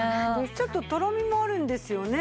ちょっととろみもあるんですよね。